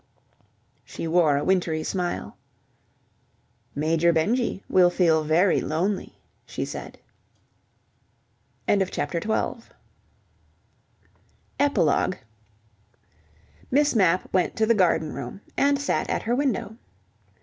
She wore a wintry smile. "Major Benjy will feel very lonely," she said. EPILOGUE Miss Mapp went to the garden room and sat at her window.